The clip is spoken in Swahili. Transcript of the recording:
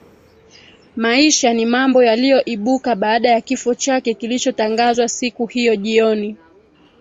maisha ni mambo yaliyoibuka baada ya kifo chake kilichotangazwa siku hiyo jioni